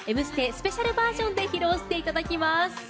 スペシャルバージョンで披露していただきます。